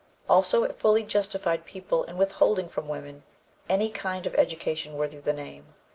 Also it fully justified people in withholding from women any kind of education worthy the name.